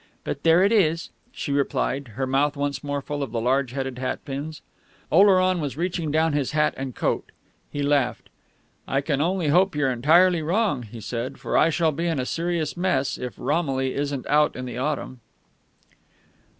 But there it is," she replied, her mouth once more full of the large headed hat pins. Oleron was reaching down his hat and coat. He laughed. "I can only hope you're entirely wrong," he said, "for I shall be in a serious mess if Romilly isn't out in the autumn."